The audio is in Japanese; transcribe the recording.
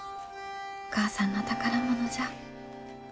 お母さんの宝物じゃ。